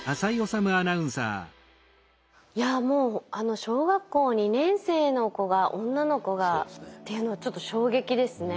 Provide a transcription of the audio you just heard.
いやもう小学校２年生の子が女の子がっていうのはちょっと衝撃ですね。